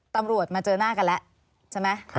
ตำรวจมาเจอหน้ากันแล้วใช่ไหม